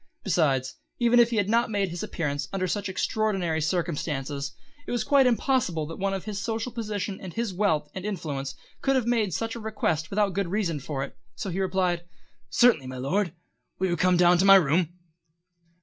Besides, even if he had not made his appearance under such extraordinary circumstances, it was quite impossible that one of his social position and his wealth and influence could have made such a request without good reason for it, so he replied: "Certainly, my Lord. Will you come down to my room?"